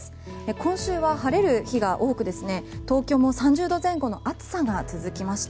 今週は晴れる日が多く東京も３０度前後の暑さが続きました。